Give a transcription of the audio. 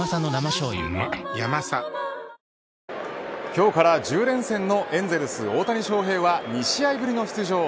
今日から１０連戦のエンゼルス大谷翔平は２試合ぶりの出場。